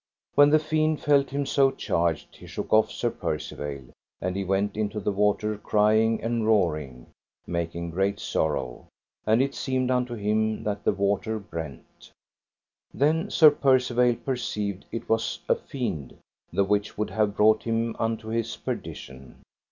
When the fiend felt him so charged he shook off Sir Percivale, and he went into the water crying and roaring, making great sorrow, and it seemed unto him that the water brent. Then Sir Percivale perceived it was a fiend, the which would have brought him unto his perdition.